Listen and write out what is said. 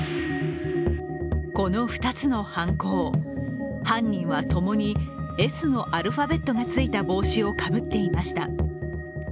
この２つの犯行、犯人は共に「Ｓ」のアルファベットがついた帽子をかぶっていました。